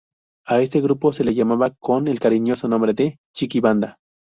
A este grupo se le llamaba con el cariñoso nombre de Chiqui-Banda.